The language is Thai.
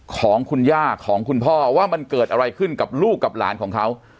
ของคุณย่าของคุณพ่อว่ามันเกิดอะไรขึ้นกับลูกกับหลานของเขา